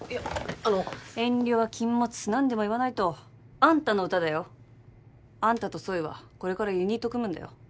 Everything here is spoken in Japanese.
あの遠慮は禁物何でも言わないとあんたの歌だよあんたとソイはこれからユニット組むんだよ